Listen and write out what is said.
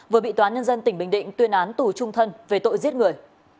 vừa bị toán nhân dân tỉnh bình định tuyên án tù chung thân về tội giết người